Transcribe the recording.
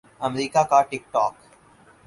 امریکا کا ٹک ٹاک